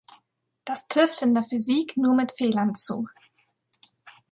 Das trifft in der Physik nur mit Fehlern zu.